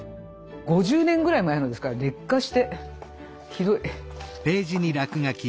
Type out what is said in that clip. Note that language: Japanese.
５０年ぐらい前のですから劣化してひどい。